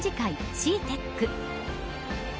ＣＥＡＴＥＣ。